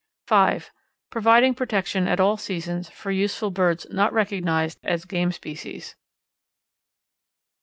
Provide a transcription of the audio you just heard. (5) Providing protection at all seasons for useful birds not recognized as game species.